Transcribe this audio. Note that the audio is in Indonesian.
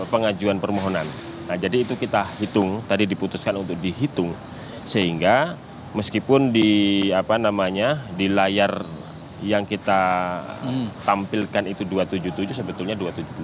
pengajuan permohonan nah jadi itu kita hitung tadi diputuskan untuk dihitung sehingga meskipun di apa namanya di layar yang kita tampilkan itu dua ratus tujuh puluh tujuh sebetulnya dua ratus tujuh puluh